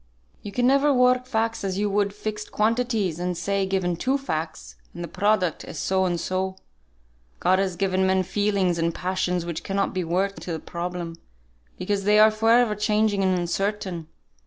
"You can never work facts as you would fixed quantities, and say, given two facts, and the product is so and so. God has given men feelings and passions which cannot be worked into the problem, because they are for ever changing and uncertain.